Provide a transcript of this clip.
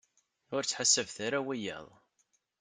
Ur ttḥasabet ara wiyaḍ.